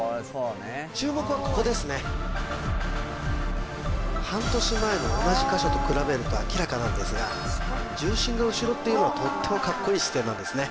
注目はここですね半年前の同じ箇所と比べると明らかなんですが重心が後ろっていうのはとってもかっこいい姿勢なんですね